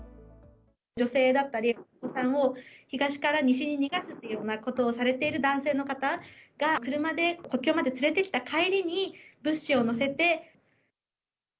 女性だったり、お子さんを東から西に逃がすようなことをされている男性の方が、車で国境まで連れてきた帰りに、物資を載せて。